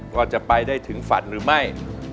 ก็จะไปได้ถึงฝันหรือไม่